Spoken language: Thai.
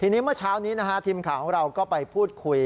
ทีนี้เมื่อเช้านี้นะฮะทีมข่าวของเราก็ไปพูดคุย